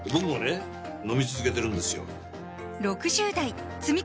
飲み続けてるんですよ